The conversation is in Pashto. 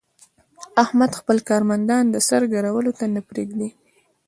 احمد خپل کارمندان د سر ګرولو ته نه پرېږي.